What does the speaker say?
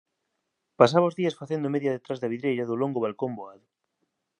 Pasaba os días facendo media detrás da vidreira do longo balcón voado